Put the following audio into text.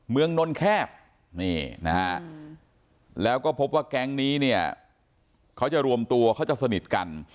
นนแคบนี่นะฮะแล้วก็พบว่าแก๊งนี้เนี่ยเขาจะรวมตัวเขาจะสนิทกัน